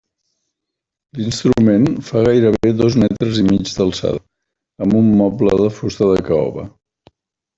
L'instrument fa gairebé dos metres i mig d'alçada, amb un moble de fusta de caoba.